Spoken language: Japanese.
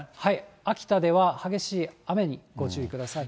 秋田では激しい雨にご注意ください。